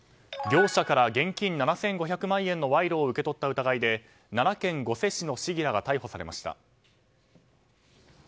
業者から現金７５００万円の賄賂を受け取った疑いで奈良県御所市の市議らが逮捕されました。